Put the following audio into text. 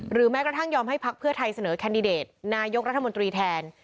แม้กระทั่งยอมให้พักเพื่อไทยเสนอแคนดิเดตนายกรัฐมนตรีแทน